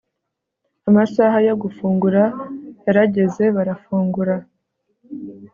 Amasaha yo gufungura yarageze barafungura